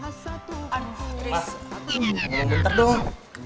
ma ini jangan bentar dong